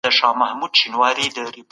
خپل ملګري به په هوښیارۍ سره ټاکئ.